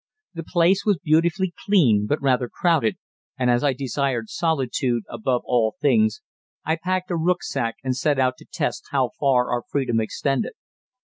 The place was beautifully clean but rather crowded, and as I desired solitude above all things, I packed a rücksack and set out to test how far our freedom extended.